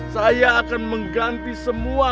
saya akan mengganti semua